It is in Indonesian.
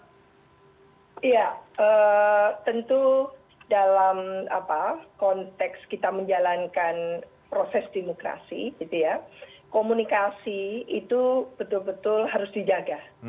iya tentu dalam konteks kita menjalankan proses demokrasi komunikasi itu betul betul harus dijaga